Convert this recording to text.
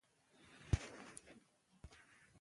تاسو په انلاین ډول د سپما حساب ګټه کتلای شئ.